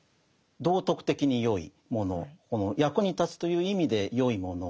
道徳的に善いもの役に立つという意味で善いもの